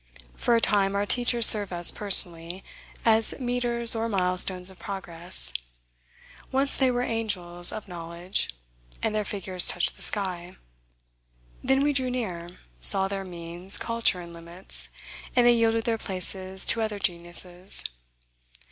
For a time, our teachers serve us personally, as metres or milestones of progress. Once they were angels of knowledge, and their figures touched the sky. Then we drew near, saw their means, culture, and limits; and they yielded their places to other geniuses.